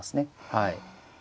はい。